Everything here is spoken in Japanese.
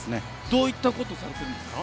どういったことされてるんですか？